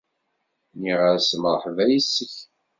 Nniɣ-as mreḥba yes-k